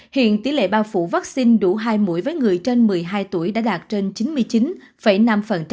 hiện tỷ lệ bao phủ vaccine đủ hai mũi với người trên một mươi hai tuổi đã đạt trên chín mươi chín năm